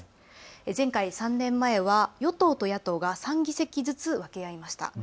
前回、３年前は与党と野党が３議席ずつ分け合いました。